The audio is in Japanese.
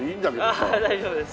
ああ大丈夫です。